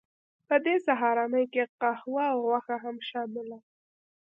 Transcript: په دې سهارنۍ کې قهوه او غوښه هم شامله وه